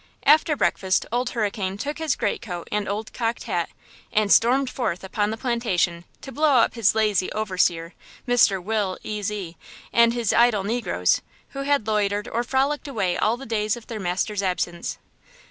After breakfast Old Hurricane took his great coat and old cocked hat and stormed forth upon the plantation to blow up his lazy overseer, Mr. Will Ezy, and his idle negroes, who had loitered or frolicked away all the days of their master's absence.